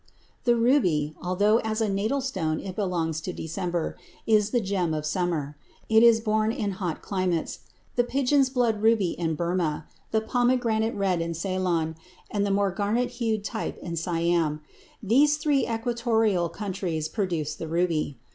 The ruby, although as a natal stone it belongs to December, is the gem of summer. It is born in the hot climates,—the pigeon's blood ruby in Burma, the pomegranate red in Ceylon, and the more garnet hued type in Siam,—these three equatorial countries produce the ruby.